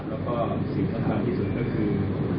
แล้วก็สิ่งประทานที่สุดก็คือ